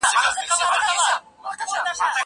زه پرون پوښتنه وکړه!!